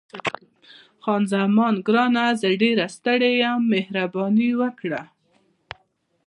خان زمان: ګرانه، زه ډېره ستړې یم، مهرباني وکړه.